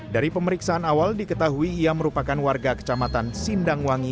dari pemeriksaan awal diketahui ia merupakan warga kecamatan sindangwangi